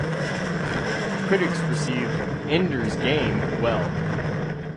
Critics received "Ender's Game" well.